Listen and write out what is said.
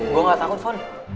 gue gak takut fon